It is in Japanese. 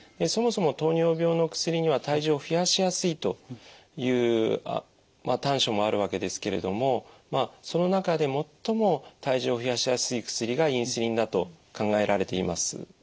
そもそも糖尿病の薬には体重を増やしやすいという短所もあるわけですけれどもまあその中で最も体重を増やしやすい薬がインスリンだと考えられています。